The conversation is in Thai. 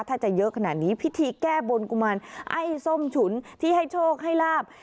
ถ้าจะเยอะขนาดนี้พิธีแก้บนกุมารไอ้ส้มฉุนที่ให้โชคให้ลาบ